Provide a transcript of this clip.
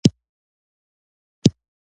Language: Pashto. وسله د خلکو تر منځ فاصله زیاتوي